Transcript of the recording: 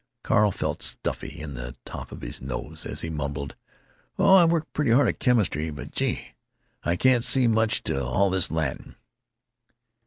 Carl felt stuffy in the top of his nose as he mumbled, "Oh, I work pretty hard at chemistry, but, gee! I can't see much to all this Latin."